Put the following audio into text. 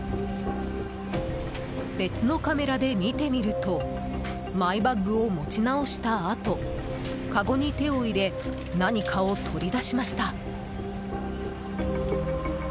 別のカメラで見てみるとマイバッグを持ち直したあとかごに手を入れ何かを取り出しました。